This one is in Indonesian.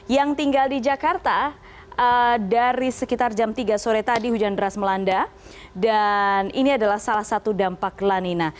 yang tinggal di jakarta dari sekitar jam tiga sore tadi hujan deras melanda dan ini adalah salah satu dampak lanina